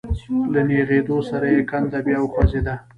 له نېغېدو سره يې کنده بيا وخوځېده.